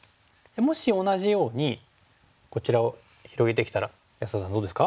もし同じようにこちらを広げてきたら安田さんどうですか？